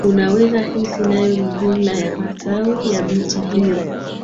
Unaweza hisi nayo ni jumla ya matawi ya miti hiyo